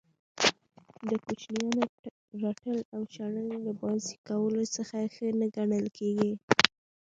د کوچنیانو رټل او شړل له بازئ کولو څخه ښه نه ګڼل کیږي.